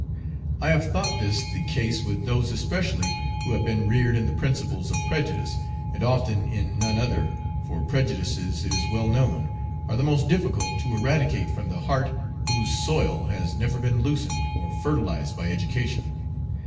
I have thought this the case with those especially who have been reared in the principles of prejudice, and often in none other, for "prejudices, it is well known, are the most difficult to eradicate from the heart whose soil has never been loosened or fertilized by education.